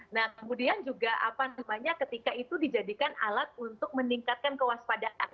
nah kemudian juga apa namanya ketika itu dijadikan alat untuk meningkatkan kewaspadaan